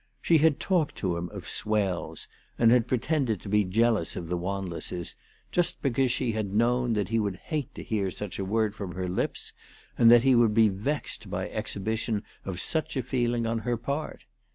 She had talked to him of " swells," and ALICE DUGDALE. 341 had pretended to be jealous of the Wanlesses, just because she had known that he would hate to hear such a word from her lips, and that he would be vexed by exhibition of such a feeling on her part